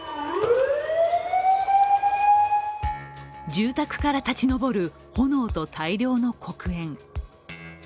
住宅から立ち上る炎と大量の黒煙。